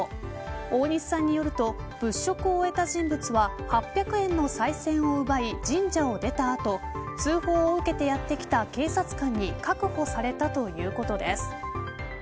大西さんによると物色を終えた人物は８００円のさい銭を奪い神社を出た後通報を受けてやってきた警察官に確保されたということです。